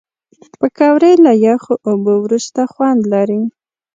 پکورې له یخو اوبو وروسته خوند لري